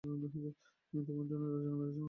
আমি তোমার সাথে রাজা নামের একজন কে পাঠাব, ঠিক আছে?